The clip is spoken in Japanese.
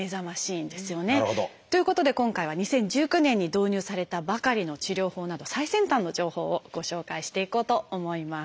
なるほど。ということで今回は２０１９年に導入されたばかりの治療法など最先端の情報をご紹介していこうと思います。